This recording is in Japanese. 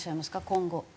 今後。